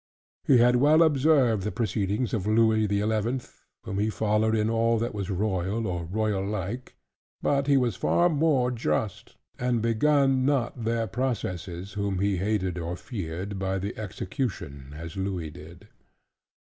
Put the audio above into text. He had well observed the proceedings of Louis the Eleventh, whom he followed in all that was royal or royal like, but he was far more just, and begun not their processes whom he hated or feared by the execution, as Louis did.